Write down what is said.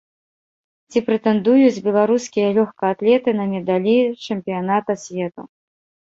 Ці прэтэндуюць беларускія лёгкаатлеты на медалі чэмпіяната свету?